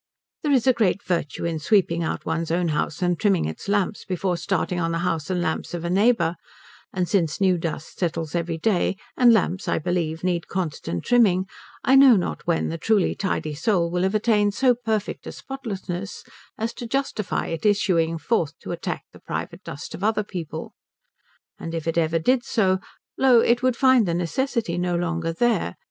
There is a great virtue in sweeping out one's own house and trimming its lamps before starting on the house and lamps of a neighbour; and since new dust settles every day, and lamps, I believe, need constant trimming, I know not when the truly tidy soul will have attained so perfect a spotlessness as to justify its issuing forth to attack the private dust of other people. And if it ever did, lo, it would find the necessity no longer there.